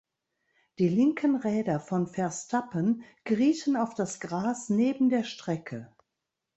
Die linken Räder von Verstappen gerieten auf das Gras neben der Strecke.